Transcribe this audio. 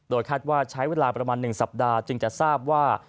คาดว่าใช้เวลาประมาณ๑สัปดาห์จึงจะทราบว่า